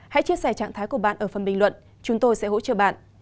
hãy chia sẻ trạng thái của bạn ở phần bình luận chúng tôi sẽ hỗ trợ bạn